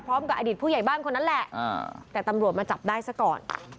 พร้อมกับอดีตผู้ใหญ่บ้านคนนั้นแหละแต่ตำรวจมาจับได้ซะก่อน